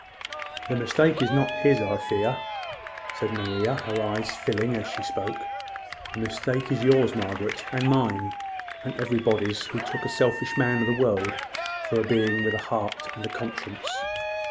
"The mistake is not his, I fear," said Maria, her eyes filling as she spoke. "The mistake is yours, Margaret, and mine, and everybody's who took a selfish man of the world for a being with a heart and a conscience."